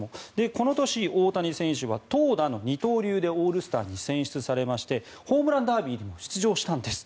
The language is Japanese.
この年、大谷選手は投打の二刀流でオールスターに選出されましてホームランダービーにも出場したんです。